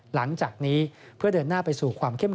หลังจากนี้เพื่อเดินหน้าไปสู่ความเข้ม